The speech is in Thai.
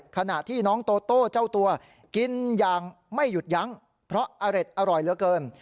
ขณะที่น้องโตโต้เจ้าตัวกินอย่างไม่หยุดยั้งเพราะอร็ดอร่อยเหลือเกิน